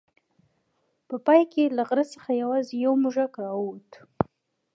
په پای کې له غره څخه یوازې یو موږک راووت.